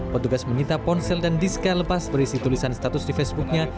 petugas menyita ponsel dan diskal lepas berisi tulisan status di facebooknya